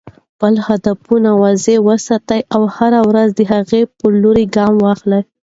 خپل هدفونه واضح وساته او هره ورځ د هغې په لور ګام واخله.